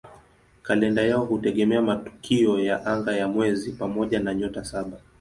Kalenda yao hutegemea matukio ya anga ya mwezi pamoja na "Nyota Saba".